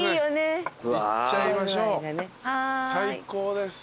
最高です。